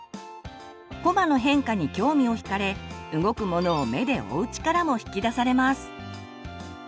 こまの変化に興味を引かれ動くものを目で追う力も引き出されます。